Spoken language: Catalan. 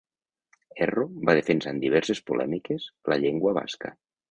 Erro va defensar en diverses polèmiques la llengua basca.